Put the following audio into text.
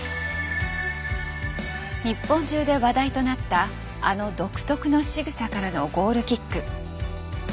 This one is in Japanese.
日本中で話題となったあの独特のしぐさからのゴールキック。